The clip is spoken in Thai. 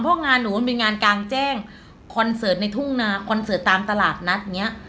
เพราะงานหนูมันเป็นงานกลางแจ้งคอนเสิร์ตในทุ่งนาคอนเสิร์ตตามตลาดนัดอย่างเงี้ย